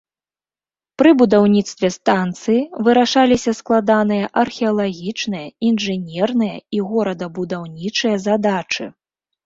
Пры будаўніцтве станцыі вырашаліся складаныя археалагічныя, інжынерныя і горадабудаўнічыя задачы.